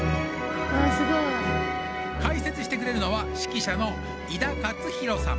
かいせつしてくれるのは指揮者の井田勝大さん。